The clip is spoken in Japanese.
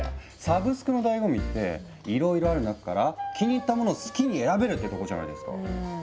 サブスクのだいご味っていろいろある中から気に入ったものを好きに選べるってとこじゃないですか。